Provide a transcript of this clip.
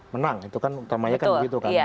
menang itu kan utamanya kan begitu kan